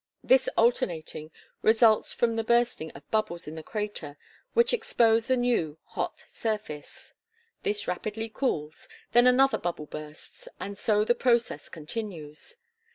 This alternating results from the bursting of bubbles in the crater, which expose a new, hot surface. This rapidly cools; then another bubble bursts; and so the process continues.